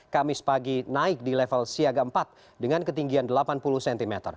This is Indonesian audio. kamis pagi naik di level siaga empat dengan ketinggian delapan puluh cm